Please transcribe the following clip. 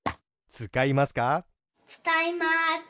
つかいます。